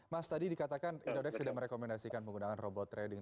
mas tadi dikatakan indodex sudah merekomendasikan menggunakan robot trading